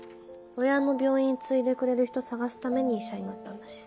親の病院継いでくれる人探すために医者になったんだし。